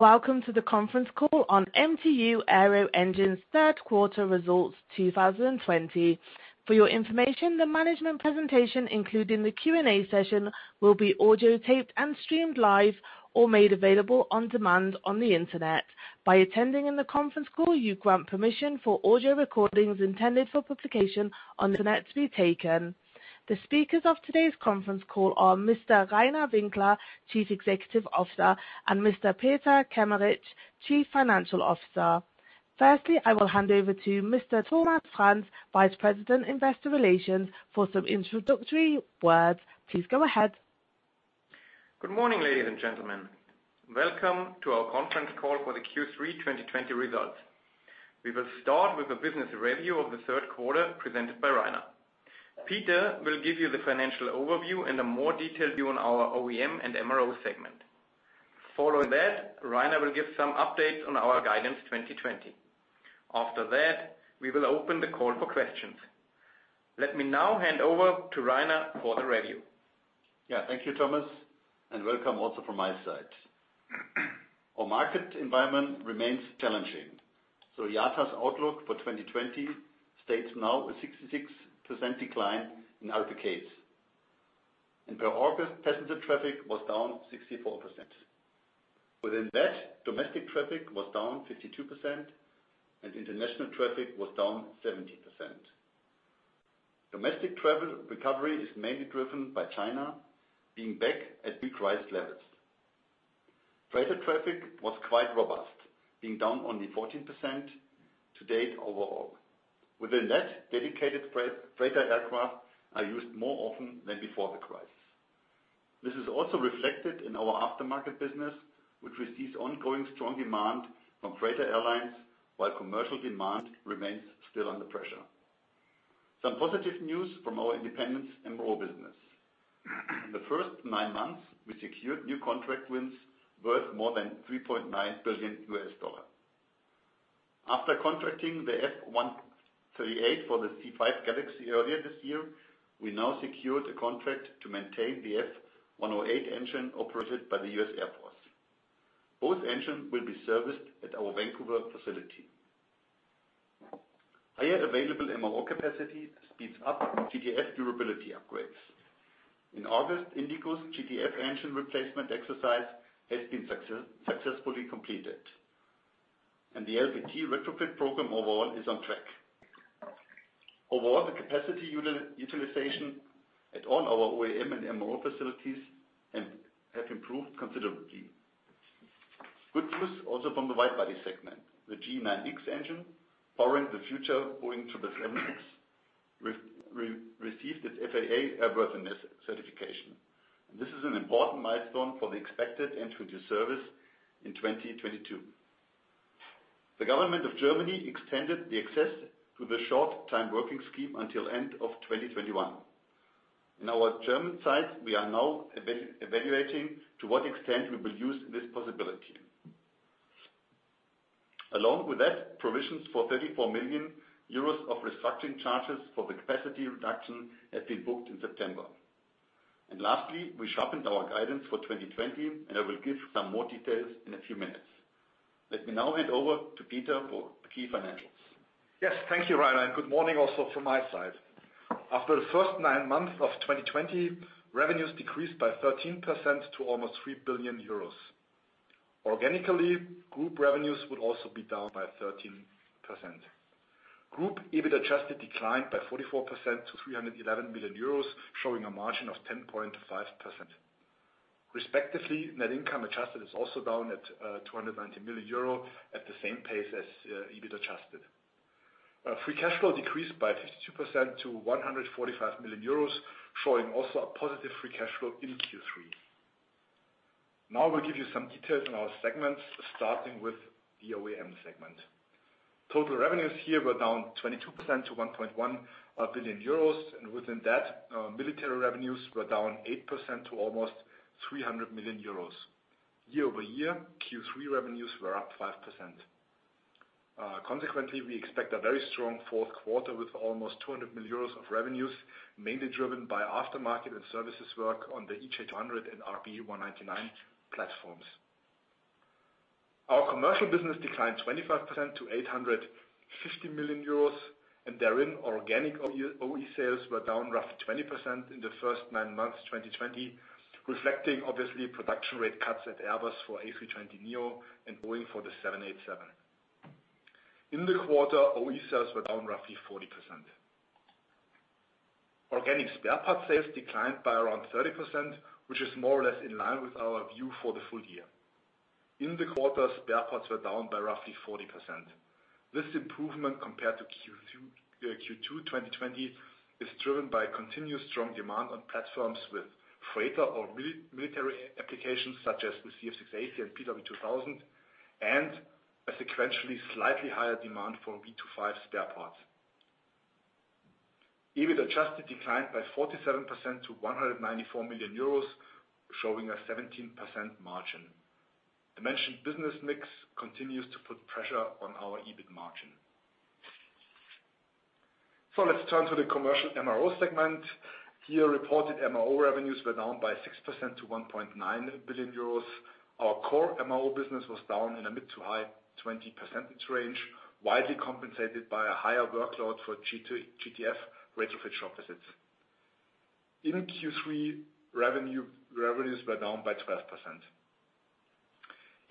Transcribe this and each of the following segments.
Welcome to the conference call on MTU Aero Engines' Q3 results 2020. For your information, the management presentation, including the Q&A session, will be audio-taped and streamed live or made available on demand on the internet. By attending in the conference call, you grant permission for audio recordings intended for publication on the internet to be taken. The speakers of today's conference call are Mr. Reiner Winkler, Chief Executive Officer, and Mr. Peter Kameritsch, Chief Financial Officer. Firstly, I will hand over to Mr. Thomas Franz, Vice President, Investor Relations, for some introductory words. Please go ahead. Good morning, ladies and gentlemen. Welcome to our conference call for the Q3 2020 results. We will start with a business review of the Q3 presented by Reiner. Peter will give you the financial overview and a more detailed view on our OEM and MRO segment. Following that, Reiner will give some updates on our guidance 2020. After that, we will open the call for questions. Let me now hand over to Reiner for the review. Yeah, thank you, Thomas, and welcome also from my side. Our market environment remains challenging. So IATA's outlook for 2020 states now a 66% decline in RPKs. And per August, passenger traffic was down 64%. Within that, domestic traffic was down 52%, and international traffic was down 70%. Domestic travel recovery is mainly driven by China being back at peak pre-crisis levels. Freighter traffic was quite robust, being down only 14% to date overall. Within that, dedicated freighter aircraft are used more often than before the crisis. This is also reflected in our aftermarket business, which receives ongoing strong demand from freighter airlines while commercial demand remains still under pressure. Some positive news from our independent MRO business. In the first nine months, we secured new contract wins worth more than $3.9 billion. After contracting the F138 for the C-5 Galaxy earlier this year, we now secured a contract to maintain the F108 engine operated by the U.S. Air Force. Both engines will be serviced at our Vancouver facility. Higher available MRO capacity speeds up GTF durability upgrades. In August, IndiGo's GTF engine replacement exercise has been successfully completed, and the LPT retrofit program overall is on track. Overall, the capacity utilization at all our OEM and MRO facilities has improved considerably. Good news also from the widebody segment, the GE9X engine powering the future Boeing 777X, which received its FAA airworthiness certification. This is an important milestone for the expected end-to-end service in 2022. The government of Germany extended the access to the short-time working scheme until the end of 2021. In our German side, we are now evaluating to what extent we will use this possibility. Along with that, provisions for 34 million euros of restructuring charges for the capacity reduction have been booked in September. And lastly, we sharpened our guidance for 2020, and I will give some more details in a few minutes. Let me now hand over to Peter for key financials. Yes, thank you, Reiner. And good morning also from my side. After the first nine months of 2020, revenues decreased by 13% to almost 3 billion euros. Organically, group revenues would also be down by 13%. Group EBITDA adjusted declined by 44% to 311 million euros, showing a margin of 10.5%. Respectively, net income adjusted is also down at 290 million euro at the same pace as EBITDA adjusted. Free cash flow decreased by 52% to 145 million euros, showing also a positive free cash flow in Q3. Now I will give you some details in our segments, starting with the OEM segment. Total revenues here were down 22% to 1.1 billion euros, and within that, military revenues were down 8% to almost 300 million euros. Year over year, Q3 revenues were up 5%. Consequently, we expect a very strong Q4 with almost 200 million euros of revenues, mainly driven by aftermarket and services work on the EJ200 and RB199 platforms. Our commercial business declined 25% to 850 million euros, and therein organic OE sales were down roughly 20% in the first nine months 2020, reflecting obviously production rate cuts at Airbus for A320neo and Boeing for the 787. In the quarter, OE sales were down roughly 40%. Organic spare part sales declined by around 30%, which is more or less in line with our view for the full year. In the quarter, spare parts were down by roughly 40%. This improvement compared to Q2 2020 is driven by continued strong demand on platforms with freighter or military applications such as the CF6-80 and PW2000, and a sequentially slightly higher demand for V2500 spare parts. EBITDA adjusted declined by 47% to 194 million euros, showing a 17% margin. The mentioned business mix continues to put pressure on our EBITDA margin. So let's turn to the commercial MRO segment. Here, reported MRO revenues were down by 6% to 1.9 billion euros. Our core MRO business was down in a mid- to high-20% range, widely compensated by a higher workload for GTF retrofit shop visits. In Q3, revenues were down by 12%.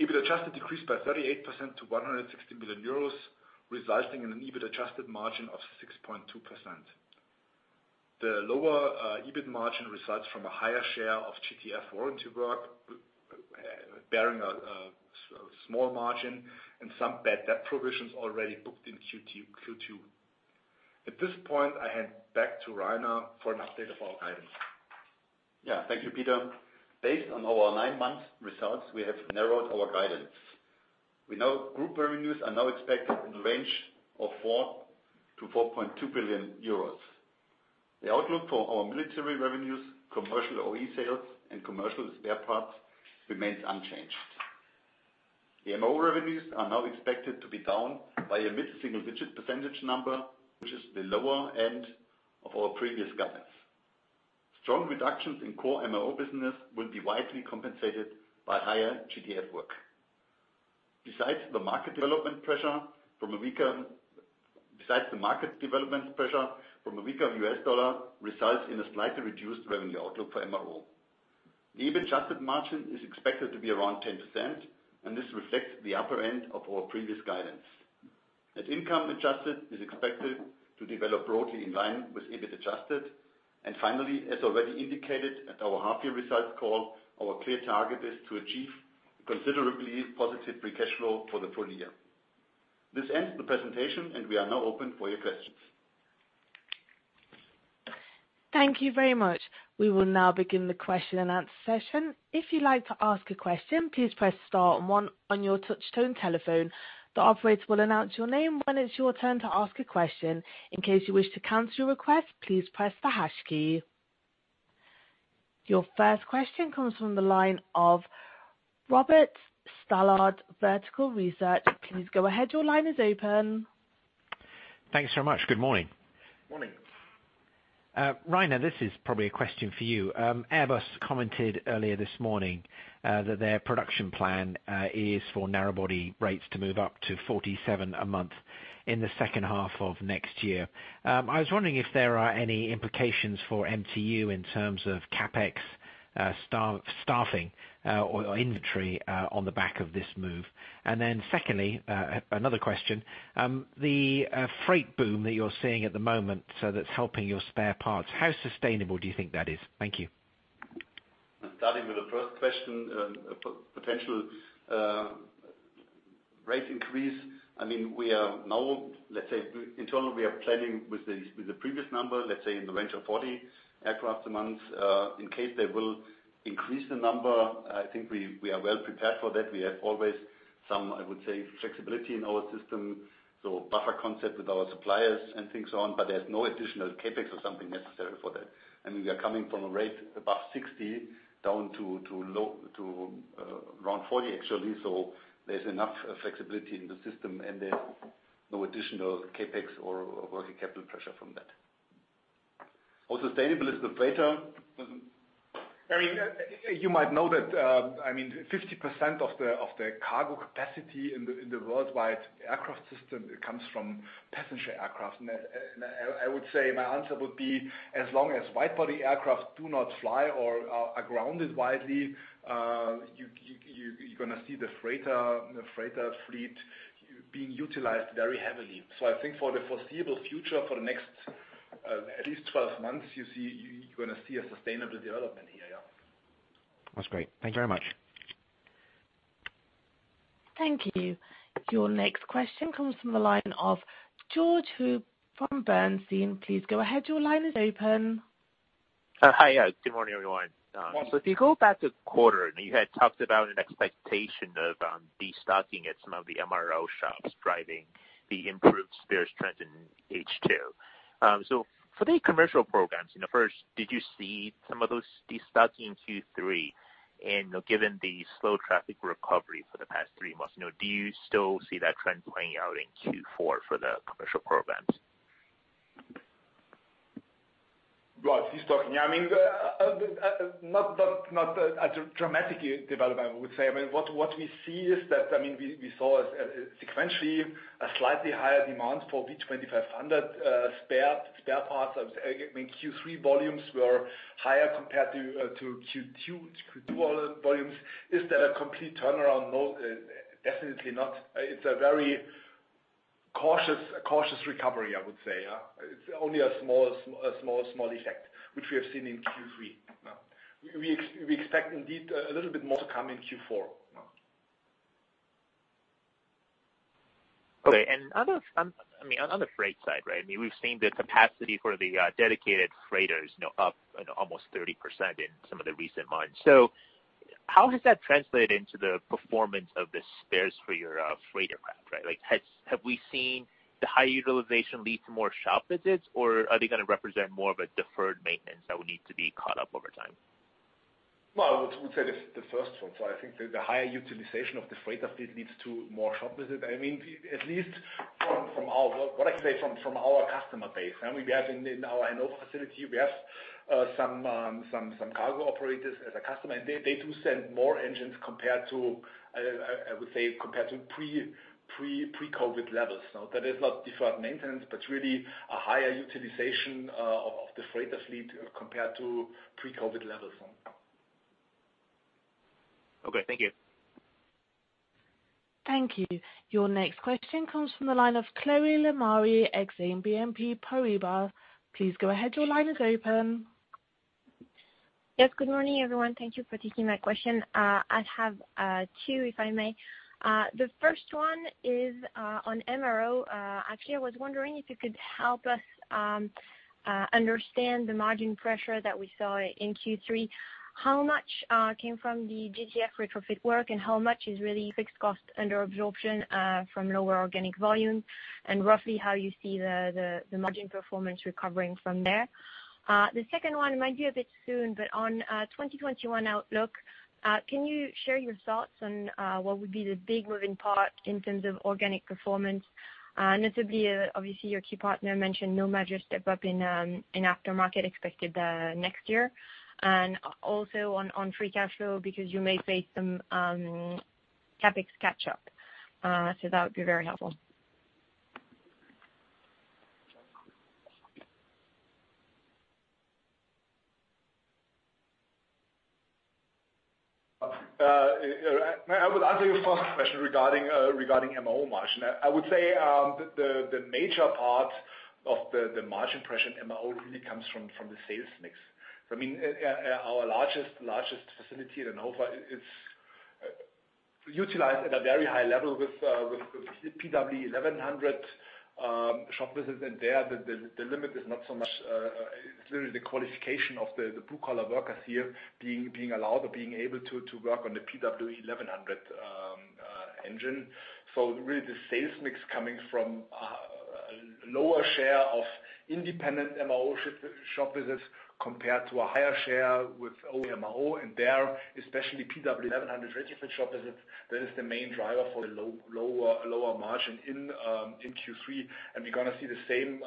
EBITDA adjusted decreased by 38% to 160 million euros, resulting in an EBITDA adjusted margin of 6.2%. The lower EBITDA margin results from a higher share of GTF warranty work, bearing a small margin, and some bad debt provisions already booked in Q2. At this point, I hand back to Reiner for an update of our guidance. Yeah, thank you, Peter. Based on our nine-month results, we have narrowed our guidance. We know group revenues are now expected in the range of 4 to 4.2 billion. The outlook for our military revenues, commercial OE sales, and commercial spare parts remains unchanged. The MRO revenues are now expected to be down by a mid single-digit % number, which is the lower end of our previous guidance. Strong reductions in core MRO business will be widely compensated by higher GTF work. Besides the market development pressure from a weaker US dollar, results in a slightly reduced revenue outlook for MRO. The EBITDA adjusted margin is expected to be around 10%, and this reflects the upper end of our previous guidance. Net income adjusted is expected to develop broadly in line with EBITDA adjusted. Finally, as already indicated at our half-year results call, our clear target is to achieve a considerably positive free cash flow for the full year. This ends the presentation, and we are now open for your questions. Thank you very much. We will now begin the question and answer session. If you'd like to ask a question, please press star on your touch-tone telephone. The operator will announce your name when it's your turn to ask a question. In case you wish to cancel your request, please press the hash key. Your first question comes from the line of Robert Stallard, Vertical Research. Please go ahead. Your line is open. Thanks very much. Good morning. Morning. Reiner, this is probably a question for you. Airbus commented earlier this morning that their production plan is for narrow-body rates to move up to 47 a month in the second half of next year. I was wondering if there are any implications for MTU in terms of CapEx staffing or inventory on the back of this move. And then secondly, another question. The freight boom that you're seeing at the moment, that's helping your spare parts, how sustainable do you think that is? Thank you. Starting with the first question, potential rate increase. I mean, we are now, let's say, internally, we are planning with the previous number, let's say, in the range of 40 aircraft a month. In case they will increase the number, I think we are well prepared for that. We have always some, I would say, flexibility in our system, so buffer concept with our suppliers and things on, but there's no additional CapEx or something necessary for that. I mean, we are coming from a rate above 60 down to around 40, actually, so there's enough flexibility in the system, and there's no additional CapEx or working capital pressure from that. How sustainable is the freighter? I mean, you might know that, I mean, 50% of the cargo capacity in the worldwide aircraft system comes from passenger aircraft. And I would say my answer would be as long as widebody aircraft do not fly or are grounded widely, you're going to see the freighter fleet being utilized very heavily. So I think for the foreseeable future, for the next at least 12 months, you're going to see a sustainable development here, yeah. That's great. Thank you very much. Thank you. Your next question comes from the line of George Zhao from Bernstein. Please go ahead. Your line is open. Hi, yeah. Good morning, everyone. So if you go back a quarter, you had talked about an expectation of destocking at some of the MRO shops driving the improved spares trend in H2. So for the commercial programs, first, did you see some of those destocking in Q3? And given the slow traffic recovery for the past three months, do you still see that trend playing out in Q4 for the commercial programs? Destocking, I mean, not a dramatic development, I would say. I mean, what we see is that, I mean, we saw sequentially a slightly higher demand for V2500 spare parts. I mean, Q3 volumes were higher compared to Q2 volumes. Is that a complete turnaround? No, definitely not. It's a very cautious recovery, I would say. It's only a small, small, small effect, which we have seen in Q3. We expect indeed a little bit more to come in Q4. Okay. And I mean, on the freight side, right, I mean, we've seen the capacity for the dedicated freighters up almost 30% in some of the recent months. So how has that translated into the performance of the spares for your freighter craft, right? Have we seen the high utilization lead to more shop visits, or are they going to represent more of a deferred maintenance that will need to be caught up over time? I would say the first one. So I think the higher utilization of the freighter fleet leads to more shop visits. I mean, at least from our work, what I can say from our customer base. I mean, we have in our Hanover facility, we have some cargo operators as a customer, and they do send more engines compared to, I would say, compared to pre-COVID levels. So that is not deferred maintenance, but really a higher utilization of the freighter fleet compared to pre-COVID levels. Okay. Thank you. Thank you. Your next question comes from the line of Chloé Lemarie, Exane BNP Paribas. Please go ahead. Your line is open. Yes, good morning, everyone. Thank you for taking my question. I have two, if I may. The first one is on MRO. Actually, I was wondering if you could help us understand the margin pressure that we saw in Q3. How much came from the GTF retrofit work, and how much is really fixed cost under absorption from lower organic volume, and roughly how you see the margin performance recovering from there? The second one might be a bit soon, but on 2021 outlook, can you share your thoughts on what would be the big moving part in terms of organic performance? Notably, obviously, your key partner mentioned no major step-up in aftermarket expected next year. And also on free cash flow, because you may face some CapEx catch-up. So that would be very helpful. I would answer your first question regarding MRO margin. I would say the major part of the margin pressure in MRO really comes from the sales mix. I mean, our largest facility in Hanover is utilized at a very high level with PW1100 shop visits, and there the limit is not so much really the qualification of the blue-collar workers here being allowed or being able to work on the PW1100 engine. So really the sales mix coming from a lower share of independent MRO shop visits compared to a higher share with MRO, and there, especially PW1100 retrofit shop visits, that is the main driver for the lower margin in Q3. And we're going to see the same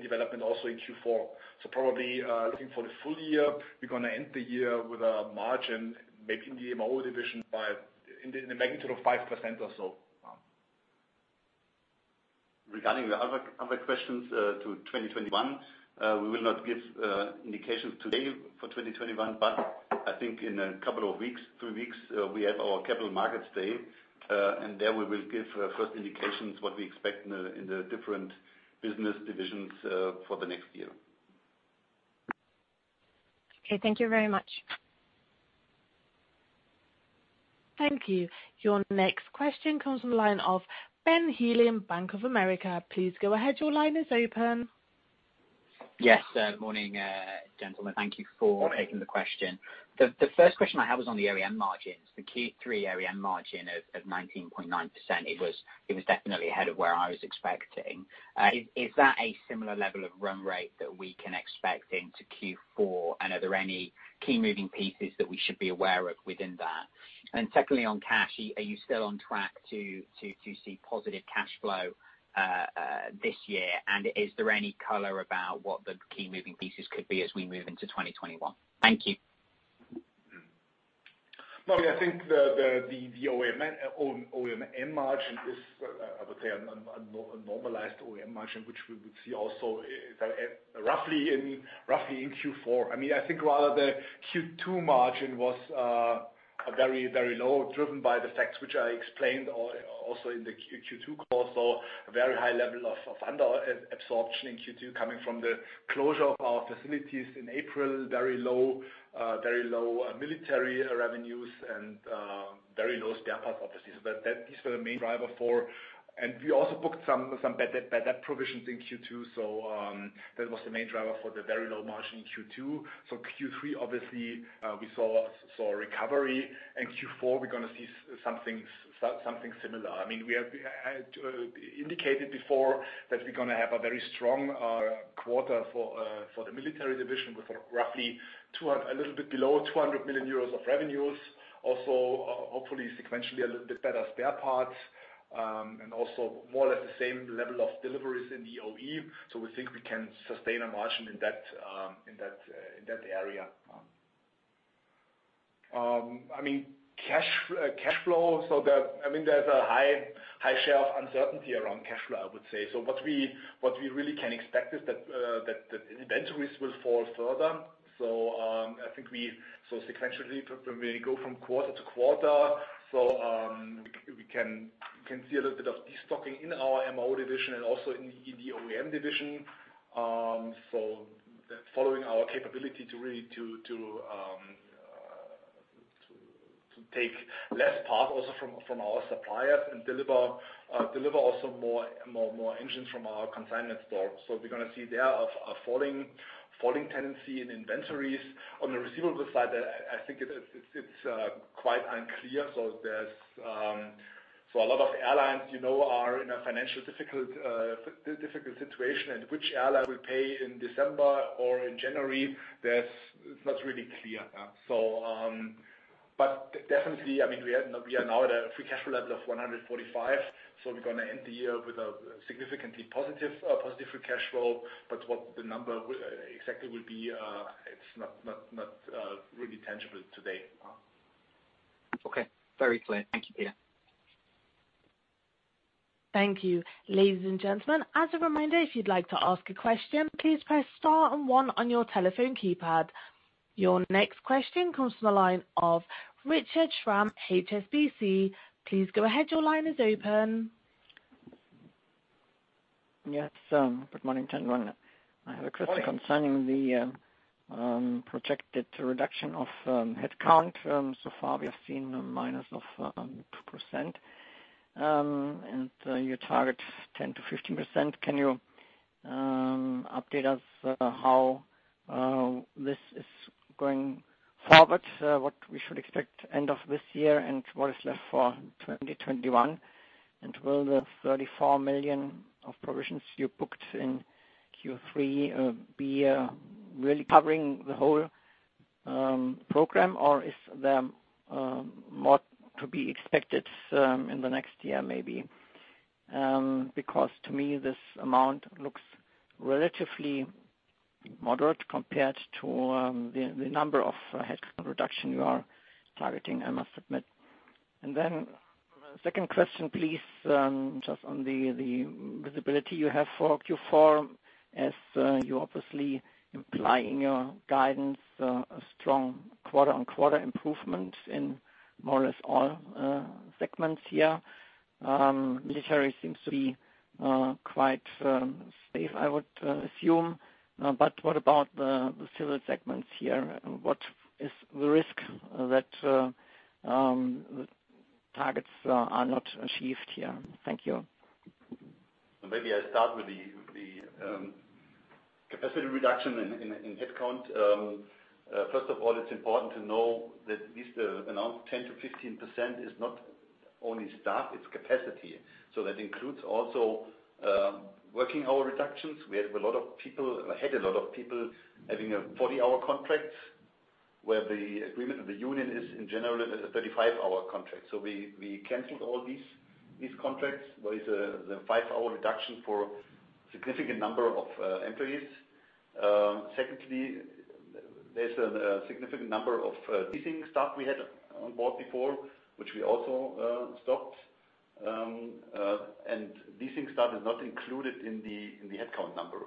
development also in Q4. Probably looking for the full year, we're going to end the year with a margin maybe in the MRO division in the magnitude of 5% or so. Regarding the other questions to 2021, we will not give indications today for 2021, but I think in a couple of weeks, three weeks, we have our capital markets day, and there we will give first indications what we expect in the different business divisions for the next year. Okay. Thank you very much. Thank you. Your next question comes from the line of Ben Heelan, Bank of America. Please go ahead. Your line is open. Yes. Good morning, gentlemen. Thank you for taking the question. The first question I have is on the OEM margins. The Q3 OEM margin of 19.9%, it was definitely ahead of where I was expecting. Is that a similar level of run rate that we can expect into Q4, and are there any key moving pieces that we should be aware of within that? And secondly, on cash, are you still on track to see positive cash flow this year, and is there any color about what the key moving pieces could be as we move into 2021? Thank you. I think the OEM margin is, I would say, a normalized OEM margin, which we would see also roughly in Q4. I mean, I think rather the Q2 margin was very, very low, driven by the facts which I explained also in the Q2 call. So a very high level of under-absorption in Q2 coming from the closure of our facilities in April, very low military revenues, and very low spare parts, obviously. So these were the main driver for, and we also booked some bad debt provisions in Q2, so that was the main driver for the very low margin in Q2. So Q3, obviously, we saw a recovery, and Q4, we're going to see something similar. I mean, we had indicated before that we're going to have a very strong quarter for the military division with roughly a little bit below 200 million euros of revenues. Also, hopefully, sequentially a little bit better spare parts and also more or less the same level of deliveries in the OE. So we think we can sustain a margin in that area. I mean, cash flow, so I mean, there's a high share of uncertainty around cash flow, I would say. So what we really can expect is that inventories will fall further. So sequentially, when we go from quarter to quarter, so we can see a little bit of destocking in our MRO division and also in the OEM division. So following our capability to really take less part also from our suppliers and deliver also more engines from our consignment store. So we're going to see there a falling tendency in inventories. On the receivable side, I think it's quite unclear. A lot of airlines are in a financially difficult situation, and which airline will pay in December or in January, it's not really clear. But definitely, I mean, we are now at a free cash flow level of €145. So we're going to end the year with a significantly positive free cash flow, but what the number exactly will be, it's not really tangible today. Okay. Very clear. Thank you, Peter. Thank you. Ladies and gentlemen, as a reminder, if you'd like to ask a question, please press star one on your telephone keypad. Your next question comes from the line of Richard Schramm, HSBC. Please go ahead. Your line is open. Yes. Good morning, gentlemen. I have a question concerning the projected reduction of headcount. So far, we have seen a minus of 2%, and your target is 10% to 15%. Can you update us how this is going forward, what we should expect end of this year and what is left for 2021? And will 34 million of provisions you booked in Q3 be really covering the whole program, or is there more to be expected in the next year maybe? Because to me, this amount looks relatively moderate compared to the number of headcount reduction you are targeting, I must admit. And then second question, please. Just on the visibility you have for Q4, as you obviously imply in your guidance a strong quarter-on-quarter improvement in more or less all segments here. Military seems to be quite safe, I would assume. But what about the civil segments here? What is the risk that targets are not achieved here? Thank you. Maybe I start with the capacity reduction in headcount. First of all, it's important to know that at least the announced 10% to 15% is not only staff, it's capacity. So that includes also working hour reductions. We have a lot of people having a 40-hour contract, where the agreement with the union is in general a 35-hour contract. So we canceled all these contracts. There is a five-hour reduction for a significant number of employees. Secondly, there's a significant number of leasing staff we had on board before, which we also stopped, and leasing staff is not included in the headcount number,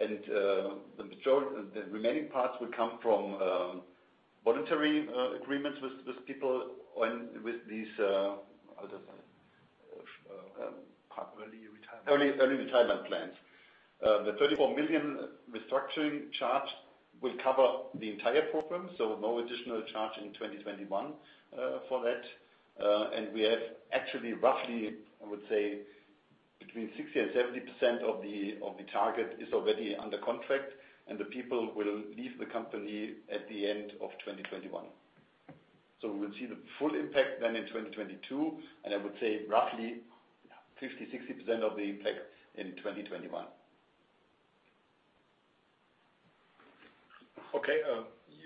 and the remaining parts will come from voluntary agreements with people with these early retirement plans. The 34 million restructuring charge will cover the entire program, so no additional charge in 2021 for that. We have actually roughly, I would say, between 60% and 70% of the target is already under contract, and the people will leave the company at the end of 2021. We will see the full impact then in 2022, and I would say roughly 50% to 60% of the impact in 2021. Okay.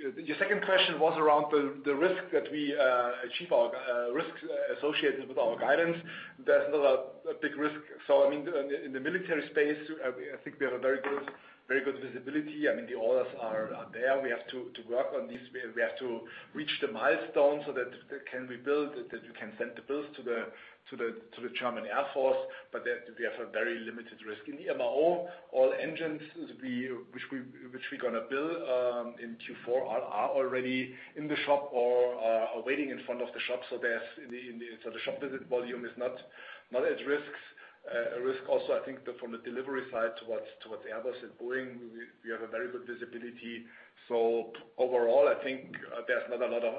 Your second question was around the risk that we achieve, our risks associated with our guidance. There's another big risk. So I mean, in the military space, I think we have a very good visibility. I mean, the orders are there. We have to work on these. We have to reach the milestones so that can we build, that we can send the bills to the German Air Force, but we have a very limited risk. In the MRO, all engines which we're going to build in Q4 are already in the shop or are waiting in front of the shop. So the shop visit volume is not at risk. Risk also, I think, from the delivery side towards Airbus and Boeing, we have a very good visibility. Overall, I think there's not a lot of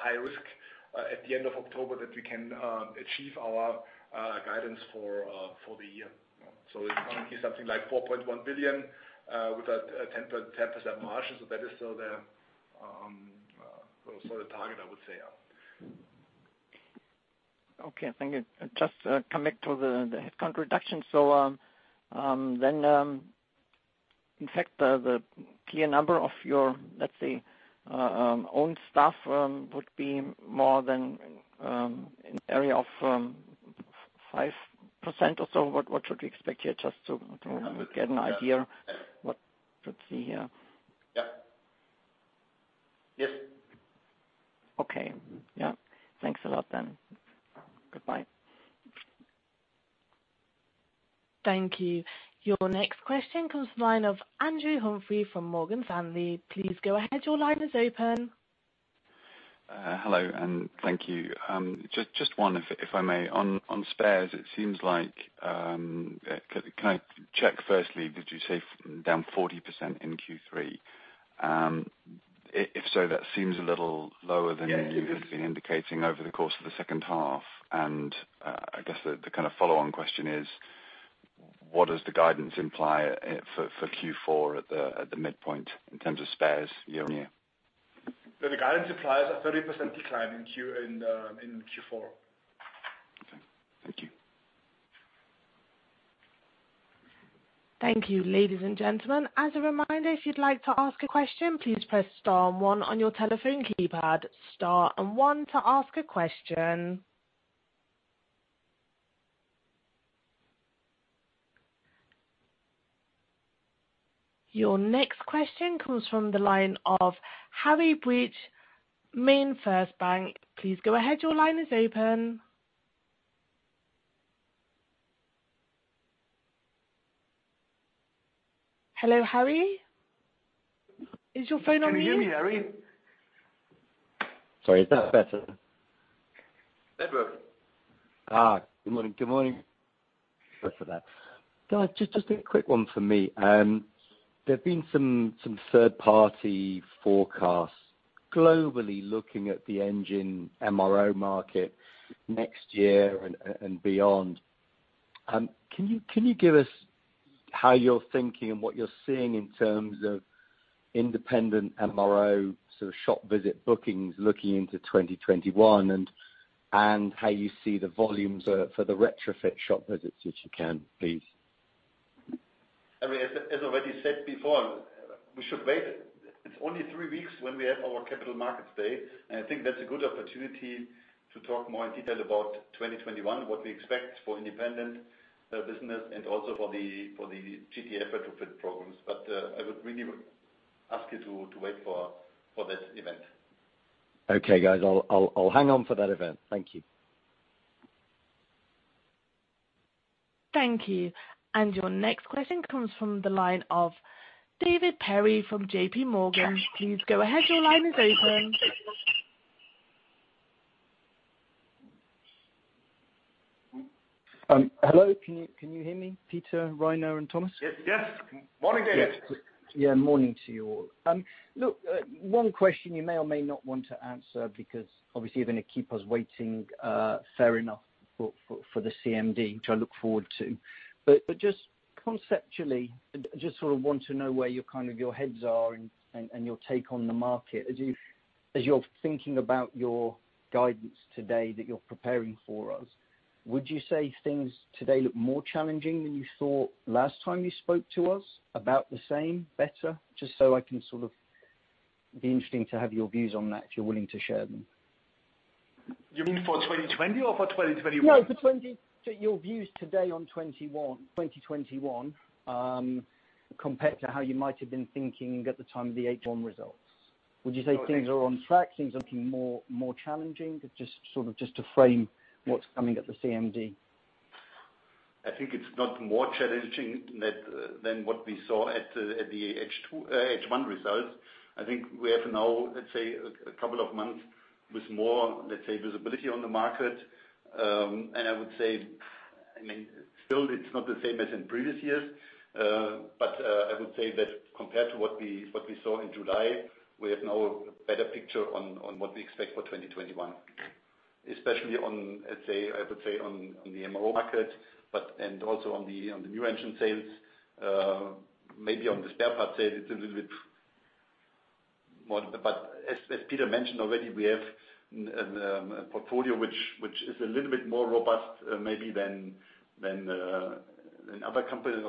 high risk at the end of October that we can achieve our guidance for the year. It's currently something like 4.1 billion with a 10% margin. That is still the target, I would say. Okay. Thank you. Just coming to the headcount reduction. So then, in fact, the clear number of your, let's say, own staff would be more than in area of 5% or so. What should we expect here? Just to get an idea of what to see here. Yep. Yes. Okay. Yeah. Thanks a lot then. Goodbye. Thank you. Your next question comes from the line of Andrew Humphrey from Morgan Stanley. Please go ahead. Your line is open. Hello, and thank you. Just one, if I may. On spares, it seems like, can I check firstly, did you say down 40% in Q3? If so, that seems a little lower than you've been indicating over the course of the second half. And I guess the kind of follow-on question is, what does the guidance imply for Q4 at the midpoint in terms of spares year on year? The guidance implies a 30% decline in Q4. Okay. Thank you. Thank you. Ladies and gentlemen, as a reminder, if you'd like to ask a question, please press star one on your telephone keypad. Star one to ask a question. Your next question comes from the line of Harry Breach, MainFirst Bank. Please go ahead. Your line is open. Hello, Harry? Is your phone on me? Can you hear me, Harry? Sorry, is that better? That works. Good morning. Good for that. Guys, just a quick one for me. There've been some third-party forecasts globally looking at the engine MRO market next year and beyond. Can you give us how you're thinking and what you're seeing in terms of independent MRO sort of shop visit bookings looking into 2021, and how you see the volumes for the retrofit shop visits if you can, please? As already said before, we should wait. It's only three weeks when we have our Capital Markets Day. And I think that's a good opportunity to talk more in detail about 2021, what we expect for independent business, and also for the GTF retrofit programs. But I would really ask you to wait for that event. Okay, guys. I'll hang on for that event. Thank you. Thank you. And your next question comes from the line of David Perry from J.P. Morgan. Please go ahead. Your line is open. Hello. Can you hear me, Peter, Reiner, and Thomas? Yes. Morning, David. Yeah. Morning to you all. Look, one question you may or may not want to answer because obviously, you're going to keep us waiting, fair enough, for the CMD, which I look forward to. But just conceptually, I just sort of want to know where your heads are and your take on the market. As you're thinking about your guidance today that you're preparing for us, would you say things today look more challenging than you thought last time you spoke to us? About the same, better? Just so I can sort of be interesting to have your views on that if you're willing to share them. You mean for 2020 or for 2021? No, for your views today on 2021 compared to how you might have been thinking at the time of the results. Would you say things are on track, things are looking more challenging? Just sort of to frame what's coming at the CMD. I think it's not more challenging than what we saw at the H1 results. I think we have now, let's say, a couple of months with more, let's say, visibility on the market, and I would say, I mean, still, it's not the same as in previous years, but I would say that compared to what we saw in July, we have now a better picture on what we expect for 2021, especially on, let's say, I would say on the MRO market, and also on the new engine sales. Maybe on the spare part sales, it's a little bit more, but as Peter mentioned already, we have a portfolio which is a little bit more robust maybe than other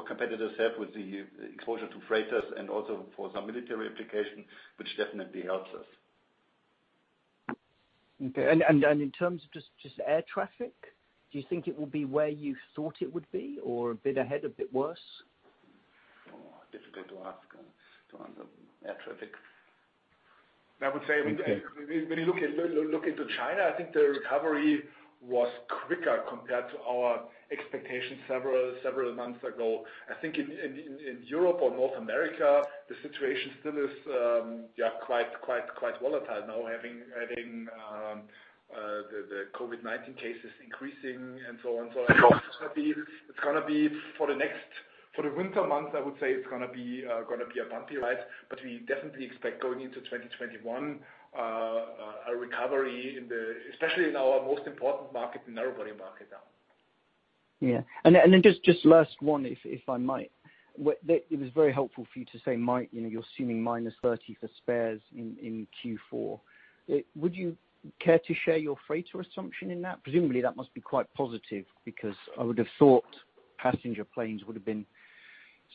competitors have with the exposure to freighters and also for some military application, which definitely helps us. Okay. And in terms of just air traffic, do you think it will be where you thought it would be or a bit ahead, a bit worse? Difficult to ask to answer air traffic. I would say when you look into China, I think the recovery was quicker compared to our expectations several months ago. I think in Europe or North America, the situation still is quite volatile now, having the COVID-19 cases increasing and so on and so on. It's going to be for the next winter months, I would say it's going to be a bumpy ride. But we definitely expect going into 2021 a recovery, especially in our most important market, the narrow-body market now. Yeah. And then just last one, if I might. It was very helpful for you to say you're assuming -30% for spares in Q4. Would you care to share your freighter assumption in that? Presumably, that must be quite positive because I would have thought passenger planes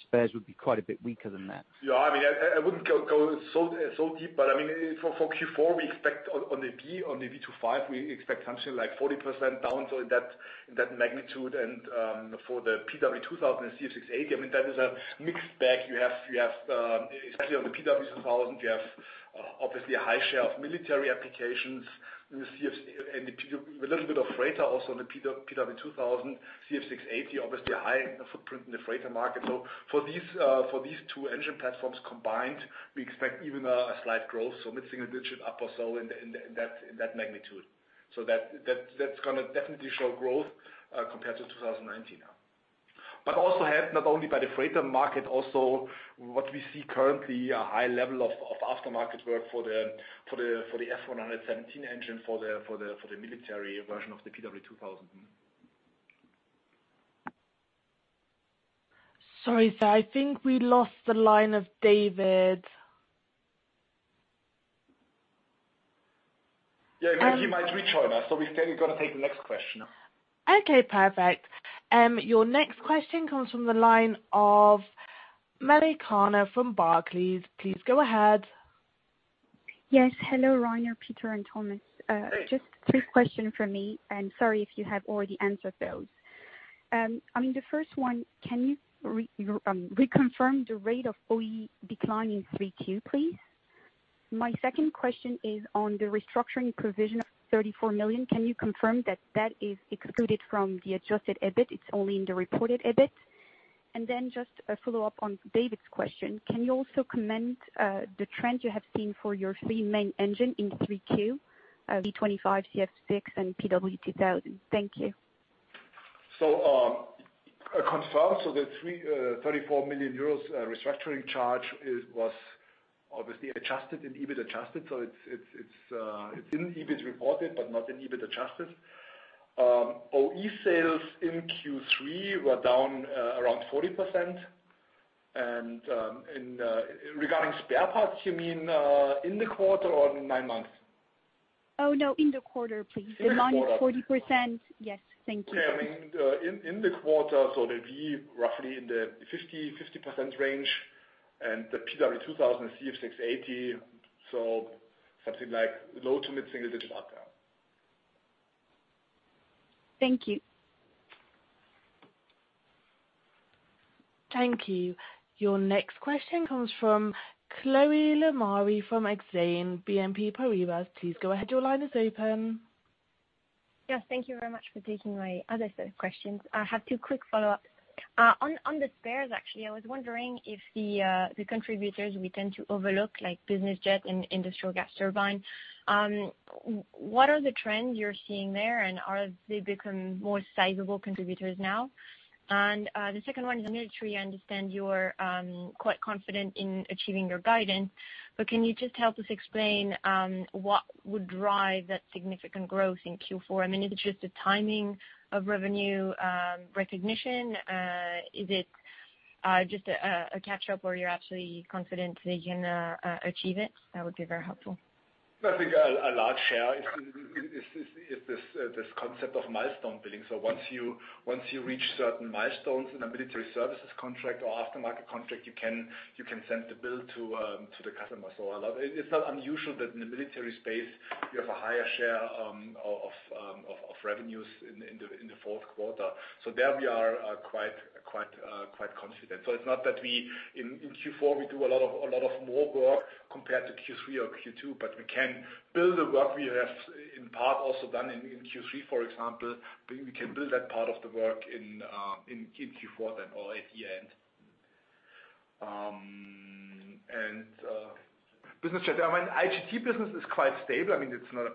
spares would be quite a bit weaker than that. Yeah. I mean, I wouldn't go so deep. But I mean, for Q4, we expect on the V2500, we expect something like 40% down in that magnitude. And for the PW2000 and CF6-80, I mean, that is a mixed bag. Especially on the PW2000, you have obviously a high share of military applications. And a little bit of freighter also on the PW2000. CF6-80, obviously a high footprint in the freighter market. So for these two engine platforms combined, we expect even a slight growth, so mid-single digit up or so in that magnitude. So that's going to definitely show growth compared to 2019. But also helped not only by the freighter market, also what we see currently, a high level of aftermarket work for the F117 engine for the military version of the PW2000. Sorry. I think we lost the line of David. Yeah. He might rejoin us. So we think he's going to take the next question. Okay. Perfect. Your next question comes from the line of Milene Kerner from Barclays. Please go ahead. Yes. Hello, Reiner, Peter, and Thomas. Just three questions for me. And sorry if you have already answered those. I mean, the first one, can you reconfirm the rate of OE declining 3Q, please? My second question is on the restructuring provision of 34 million. Can you confirm that that is excluded from the adjusted EBITDA? It's only in the reported EBITDA. And then just a follow-up on David's question. Can you also comment the trend you have seen for your three main engines in 3Q, V2500, CF6, and PW2000? Thank you. So, confirm: so the 34 million euros restructuring charge was obviously adjusted in EBITDA adjusted. So it's in EBITDA reported, but not in EBITDA adjusted. OE sales in Q3 were down around 40%. And regarding spare parts, you mean in the quarter or in nine months? Oh, no, in the quarter, please. The -40%. Yes. Thank you. Okay. I mean, in the quarter, so the V2500 roughly in the 50% range and the PW2000 and CF6-80. So something like low to mid-single digit up there. Thank you. Thank you. Your next question comes from Chloe Lemarie from Exane BNP Paribas. Please go ahead. Your line is open. Yes. Thank you very much for taking my other set of questions. I have two quick follow-ups. On the spares, actually, I was wondering if the contributors we tend to overlook, like business jet and industrial gas turbine, what are the trends you're seeing there, and are they becoming more sizable contributors now? And the second one is military. I understand you're quite confident in achieving your guidance. But can you just help us explain what would drive that significant growth in Q4? I mean, is it just the timing of revenue recognition? Is it just a catch-up or you're absolutely confident they can achieve it? That would be very helpful. I think a large share is this concept of milestone billing. So once you reach certain milestones in a military services contract or aftermarket contract, you can send the bill to the customer. So it's not unusual that in the military space, you have a higher share of revenues in the Q4. So there we are quite confident. So it's not that in Q4 we do a lot more work compared to Q3 or Q2, but we can bill the work we have in part also done in Q3, for example. We can bill that part of the work in Q4 then or at year end. And business jet. I mean, IGT business is quite stable. I mean, it's not a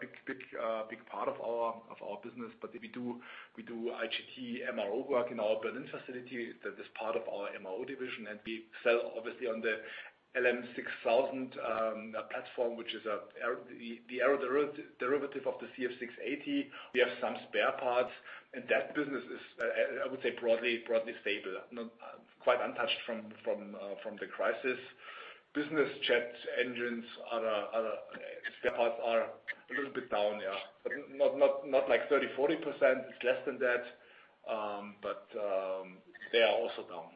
big part of our business. But we do IGT MRO work in our Berlin facility. That is part of our MRO division. And we sell, obviously, on the LM6000 platform, which is the aero-derivative of the CF6-80. We have some spare parts. And that business is, I would say, broadly stable, quite untouched from the crisis. Business jet engines, spare parts are a little bit down. Yeah. But not like 30%-40%. It's less than that. But they are also down.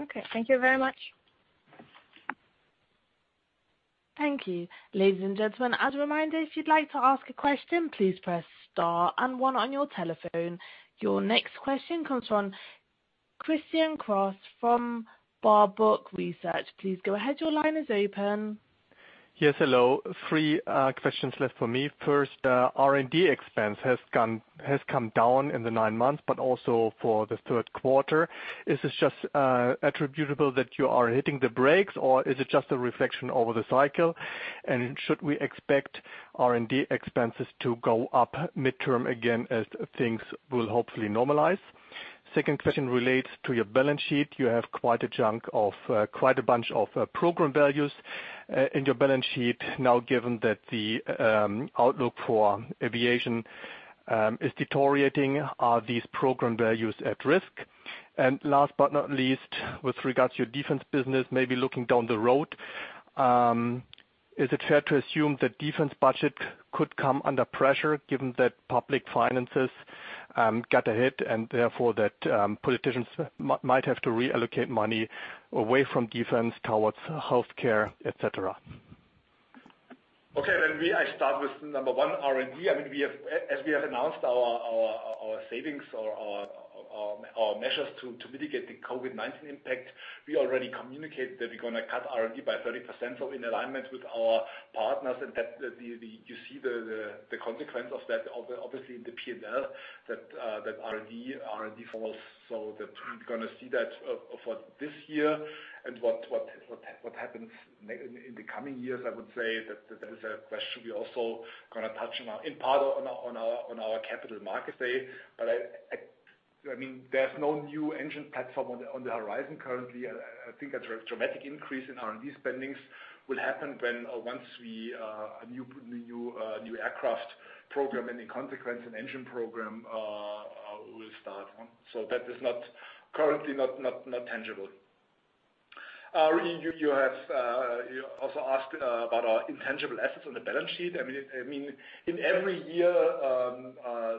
Okay. Thank you very much. Thank you. Ladies and gentlemen, as a reminder, if you'd like to ask a question, please press star and one on your telephone. Your next question comes from Christian Cohrs from Warburg Research. Please go ahead. Your line is open. Yes. Hello. Three questions left for me. First, R&D expense has come down in the nine months, but also for the Q3. Is this just attributable that you are hitting the brakes, or is it just a reflection over the cycle? And should we expect R&D expenses to go up midterm again as things will hopefully normalize? Second question relates to your balance sheet. You have quite a chunk of quite a bunch of program values in your balance sheet. Now, given that the outlook for aviation is deteriorating, are these program values at risk? And last but not least, with regards to your defense business, maybe looking down the road, is it fair to assume that defense budget could come under pressure given that public finances got a hit and therefore that politicians might have to reallocate money away from defense towards healthcare, etc.? Okay. Then I start with number one, R&D. I mean, as we have announced our savings or our measures to mitigate the COVID-19 impact, we already communicated that we're going to cut R&D by 30%. So in alignment with our partners, and you see the consequence of that, obviously, in the P&L that R&D falls. So we're going to see that for this year, and what happens in the coming years, I would say, that is a question we're also going to touch in part on our Capital Markets Day, but I mean, there's no new engine platform on the horizon currently. I think a dramatic increase in R&D spendings will happen once a new aircraft program and, in consequence, an engine program will start, so that is currently not tangible. You have also asked about intangible assets on the balance sheet. I mean, in every year,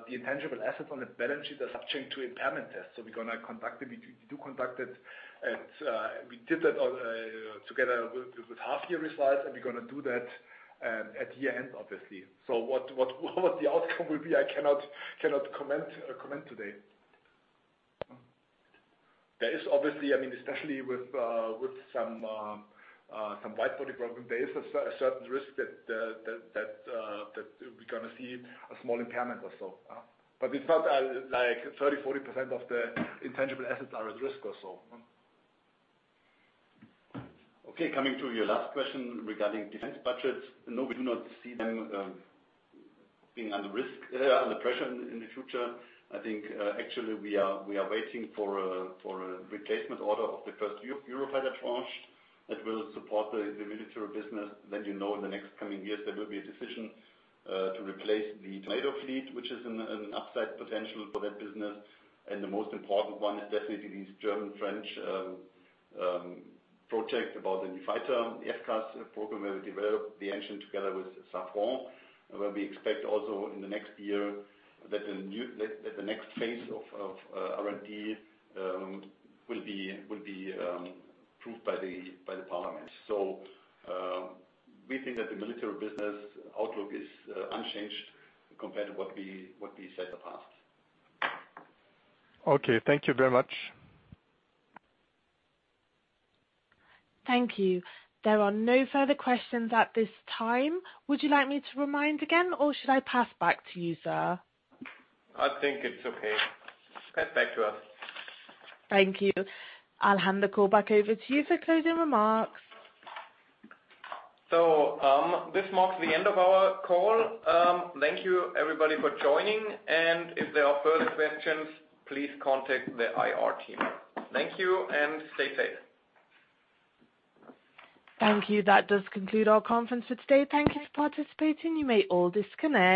the intangible assets on the balance sheet are subject to impairment tests. So we're going to conduct it. We do conduct it. We did that together with half-year results, and we're going to do that at year end, obviously. So what the outcome will be, I cannot comment today. There is obviously, I mean, especially with some widebody program, there is a certain risk that we're going to see a small impairment or so. But it's not like 30%-40% of the intangible assets are at risk or so. Okay. Coming to your last question regarding defense budgets, no, we do not see them being under pressure in the future. I think actually we are waiting for a replacement order of the first Eurofighter tranche that will support the military business. Then, you know, in the next coming years, there will be a decision to replace the NATO fleet, which is an upside potential for that business, and the most important one is definitely these German-French projects about the new fighter, the FCAS program, where we develop the engine together with Safran, where we expect also in the next year that the next phase of R&D will be approved by the parliament, so we think that the military business outlook is unchanged compared to what we said in the past. Okay. Thank you very much. Thank you. There are no further questions at this time. Would you like me to remind again, or should I pass back to you, sir? I think it's okay. Pass back to us. Thank you. I'll hand the call back over to you for closing remarks. So this marks the end of our call. Thank you, everybody, for joining. And if there are further questions, please contact the IR team. Thank you and stay safe. Thank you. That does conclude our conference for today. Thank you for participating. You may all disconnect.